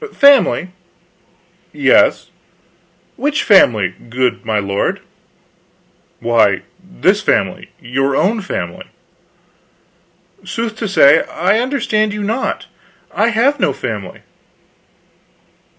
"Family?" "Yes." "Which family, good my lord?" "Why, this family; your own family." "Sooth to say, I understand you not. I have no family."